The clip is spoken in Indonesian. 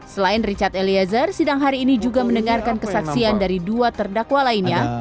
selain richard eliezer sidang hari ini juga mendengarkan kesaksian dari dua terdakwa lainnya